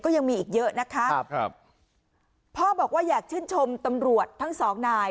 ยังมีอีกเยอะนะคะครับพ่อบอกว่าอยากชื่นชมตำรวจทั้งสองนาย